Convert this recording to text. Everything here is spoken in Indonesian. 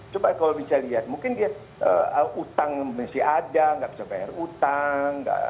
coba kalau bisa lihat mungkin dia utang masih ada nggak bisa bayar utang